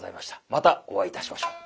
またお会いいたしましょう。